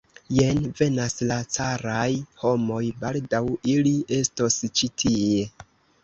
Jen venas la caraj homoj, baldaŭ ili estos ĉi tie.